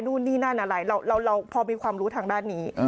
นู่นนี่นั่นอะไรเราพอมีความรู้ทางด้านนี้